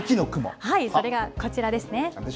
それがこちらですね。